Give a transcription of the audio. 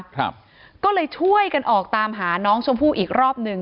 ครับก็เลยช่วยกันออกตามหาน้องชมพู่อีกรอบหนึ่ง